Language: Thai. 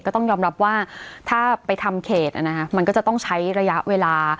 ก็ต้องยอมรับว่าถ้าไปทำเขตมันก็จะต้องใช้ระยะเวลา